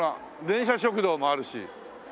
電車食堂もあるし。